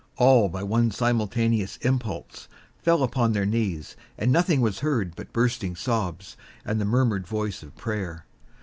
All, by one simultaneous impulse, fell upon their knees, and nothing was heard but bursting sobs and the murmured voice of prayer.